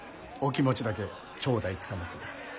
お気持ちだけ頂戴つかまつる。